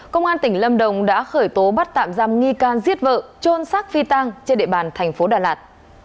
công an tỉnh lâm đồng đã khởi tố bắt tạm giam nghi can giết vợ trôn sát phi tăng trên địa bàn tp đà lạt